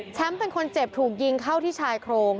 เป็นคนเจ็บถูกยิงเข้าที่ชายโครง